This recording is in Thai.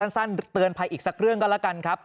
สั้นเตือนภัยอีกสักเรื่องก็แล้วกันครับ